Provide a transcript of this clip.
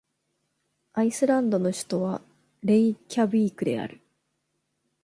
アイスランドの首都はレイキャヴィークである